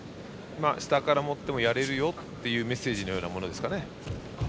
下から持ってもやれるよというメッセージのようなものですかね。